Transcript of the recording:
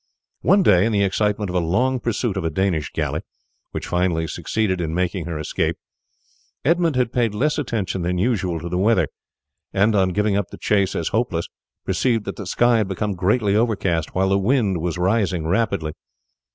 One day in the excitement of a long pursuit of a Danish galley, which finally succeeded in making her escape, Edmund had paid less attention than usual to the weather, and, on giving up the chase as hopeless, perceived that the sky had become greatly overcast, while the wind was rising rapidly.